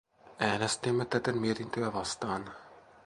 Äänestimme täten mietintöä vastaan.